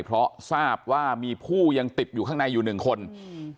เพราะทราบว่ามีผู้ยังติดอยู่ข้างในอยู่หนึ่งคนอืม